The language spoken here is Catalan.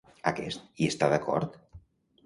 Aquest hi està d'acord?